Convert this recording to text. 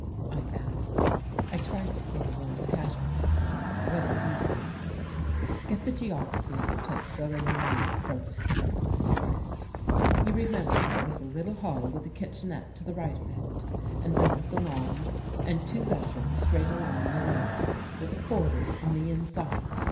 " I asked. I tried to say the words casually, but it wasn't easy. " Get the geography of the place well in your mind first," he said. " You remember there was a little hall with a kitchenette to the right of it. And then the salon and two bedrooms straight along in a row, with a corridor on the inside.